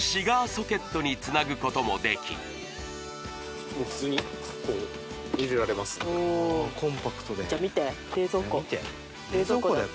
ソケットにつなぐこともできおおコンパクトで見て冷蔵庫見て冷蔵庫だよ